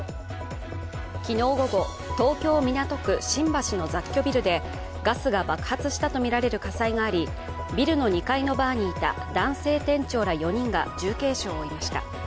昨日午後、東京・港区新橋の雑居ビルでガスが爆発したとみられる火災がありビルの２階のバーにいた男性店長ら４人が重軽傷を負いました。